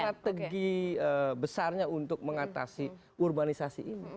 strategi besarnya untuk mengatasi urbanisasi ini